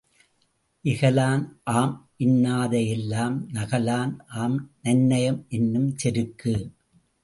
இகலான் ஆம் இன்னாத எல்லாம் நகலான் ஆம் நன்னயம் என்னும் செருக்கு.